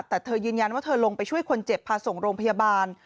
แต่เธอยืนยันว่าเธอลงไปช่วยคนเจ็บพาส่งโรงพยาบาล